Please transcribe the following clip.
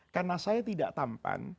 karena saya tidak tampan